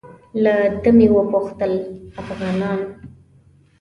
له ده مې وپوښتل افغانان.